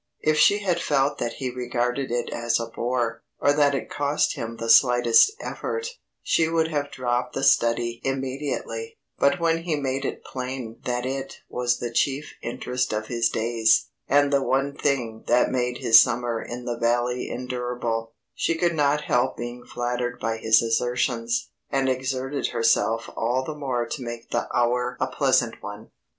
If she had felt that he regarded it as a bore, or that it cost him the slightest effort, she would have dropped the study immediately; but when he made it plain that it was the chief interest of his days, and the one thing that made his summer in the Valley endurable, she could not help being flattered by his assertions, and exerted herself all the more to make the hour a pleasant one.